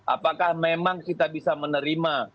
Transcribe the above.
apakah memang kita bisa menerima